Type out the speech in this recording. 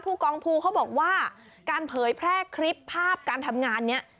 กองภูเขาบอกว่าการเผยแพร่คลิปภาพการทำงานนี้